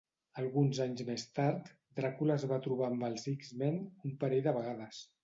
Alguns anys més tard, Dràcula es va trobar amb els X-Men un parell de vegades.